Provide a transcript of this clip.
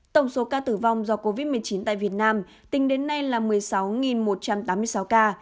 tổng số ca tử vong do covid một mươi chín tại việt nam tính đến nay là một mươi sáu một trăm tám mươi sáu ca